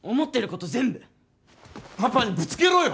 パパにぶつけろよ！